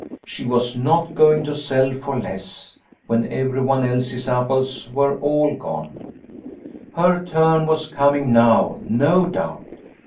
She was not going to sell for less, when everyone else's apples were all gone ; her turn was coming now, no doubt